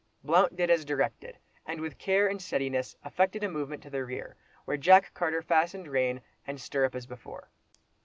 Blount did as directed, and with care and steadiness, effected a movement to the rear, while Jack Carter fastened rein and stirrup as before.